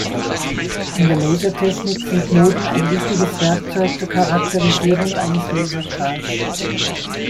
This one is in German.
In der Lasertechnik sind Moden ein wichtiges Werkzeug zur Charakterisierung eines Laserstrahls.